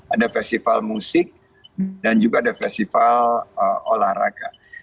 ada festival musik dan juga ada festival olahraga